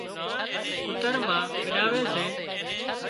ڪُتر مان ڳڏاوي سي